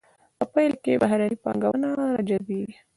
په پایله کې بهرنۍ پانګونه را جذبیږي.